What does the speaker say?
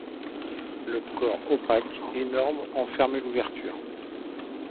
Un corps opaque, énorme, en fermait l’ouverture.